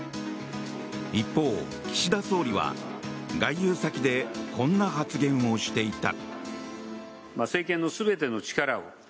一方、岸田総理は外遊先でこんな発言をしていた。